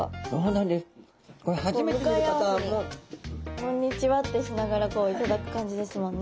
「こんにちは」ってしながら頂く感じですもんね。